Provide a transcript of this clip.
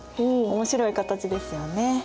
面白い形ですよね。